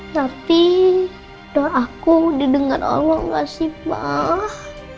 tapi doaku didengar allah gak sih pak